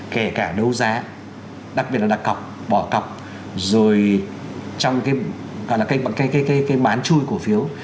kể cả đấu giá đặc biệt là đặt cọc bỏ cọc rồi trong cái bán chui cổ phiếu